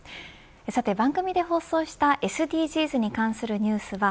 番組で放送したＳＤＧｓに関するニュースは